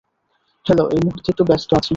Hello এই মুহুর্তে একটু ব্যস্ত আছি।